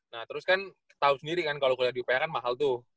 nah terus kan tau sendiri kan kalo udah di uph kan mahal tuh